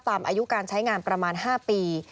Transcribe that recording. อายุการใช้งานประมาณ๕ปี